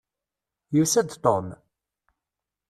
Yusa-d Tom?